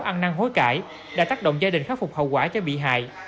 ăn năng hối cãi đã tác động gia đình khắc phục hậu quả cho bị hại